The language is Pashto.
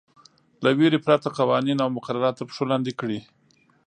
له وېرې پرته قوانین او مقررات تر پښو لاندې کړي.